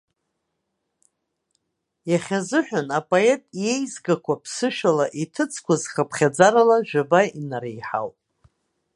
Иахьазыҳәан, апоет иеизгақәа ԥсышәала иҭыҵқәаз хыԥхьаӡарала жәаба инареиҳауп.